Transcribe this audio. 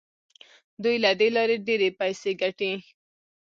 دوی له دې لارې ډیرې پیسې ګټي.